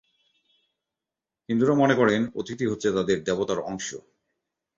হিন্দুরা মনে করেন অতিথি হচ্ছে তাদের দেবতার অংশ।